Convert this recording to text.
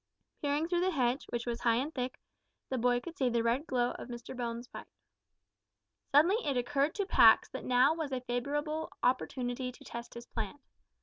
Peering through the hedge, which was high and thick, the boy could see the red glow of Mr Bones's pipe. Suddenly it occurred to Pax that now was a favourable opportunity to test his plan.